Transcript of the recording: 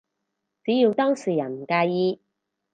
只要當事人唔介意